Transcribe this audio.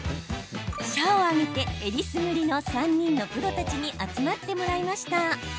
社を挙げてよりすぐりの３人のプロたちに集まってもらいました。